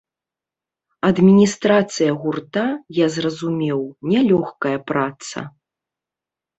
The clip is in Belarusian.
Адміністрацыя гурта, я зразумеў, нялёгкая праца.